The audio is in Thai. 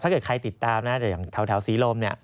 ถ้าเกิดใครติดตามนะแต่อย่างแถวศรีลมเนี่ย